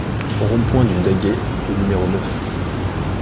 Rond-Point du Daguet au numéro neuf